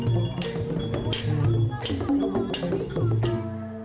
สวัสดีครับ